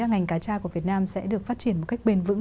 ngành cá tra của việt nam sẽ được phát triển một cách bền vững